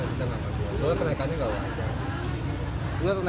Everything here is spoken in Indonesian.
soalnya kenaikannya nggak wajar